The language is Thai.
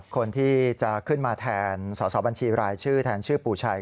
คนที่จะขึ้นมาแทนสอสอบัญชีรายชื่อแทนชื่อปู่ชัย